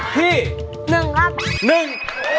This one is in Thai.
ที่หนึ่งครับหนึ่ง